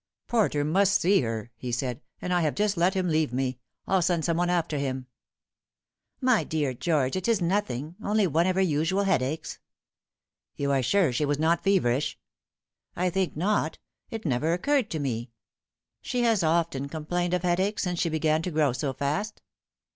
"Porter must see her," he said ;" and I have just let him leave me. I'll send some one after him." " My dear George, it is nothing ; only one of her usual head aches." " You are sure she was not feverish ?"." I think not. It never occurred to me. She has often com plained of headache since she began to grow so fast."